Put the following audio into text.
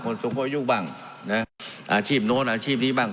คนสูงประยุกต์บ้างอาชีพโน้นอาชีพนี้บ้าง